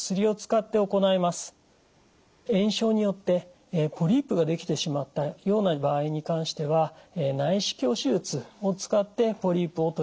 炎症によってポリープが出来てしまったような場合に関しては内視鏡手術を使ってポリープを取り除くこともできます。